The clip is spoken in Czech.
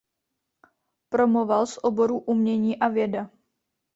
Promoval z oborů umění a věda.